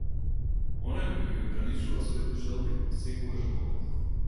Оној кој ги ограничува своите желби е секогаш богат.